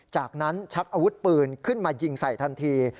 จากนั้นชักอาวุธปืนขึ้นมายิงใส่ทันที